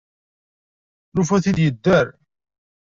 Nufa-t-id yedder.